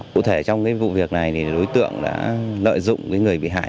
cụ thể trong vụ việc này đối tượng đã lợi dụng người bị hại